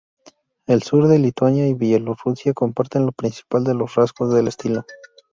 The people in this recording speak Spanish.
El Sur de Lituania y Bielorrusia comparten lo principal de los rasgos del estilo.